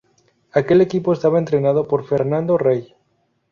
Aquel equipo estaba entrenado por Fernando Rey.